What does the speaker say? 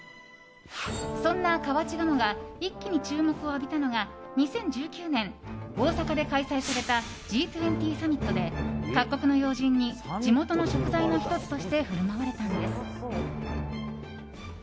そんな河内鴨が一気に注目を浴びたのが２０１９年、大阪で開催されたＧ２０サミットで各国の要人に地元の食材の１つとして振る舞われたんです。